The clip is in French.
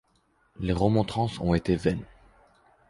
Les remontrances ont été vaines.